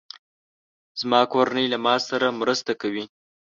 زما کورنۍ له ما سره مرسته کوي.